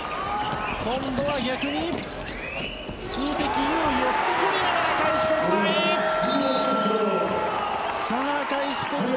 今度は逆に数的優位を作りながら開志国際！